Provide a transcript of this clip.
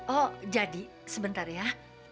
oh jadi sebentar ya